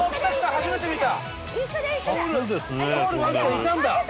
初めて見た。